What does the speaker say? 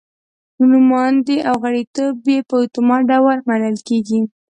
نوماندي او غړیتوب یې په اتومات ډول منل کېږي.